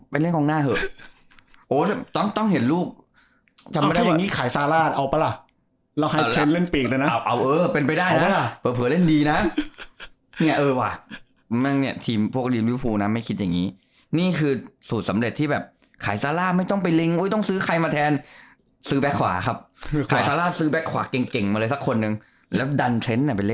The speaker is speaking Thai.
ผมอยากดูการแซกเหมือนกันนะนะ